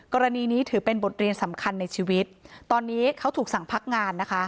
กรณีนี้ถือเป็นบทเรียนสำคัญในชีวิตตอนนี้เขาถูกสั่งพักงานนะคะ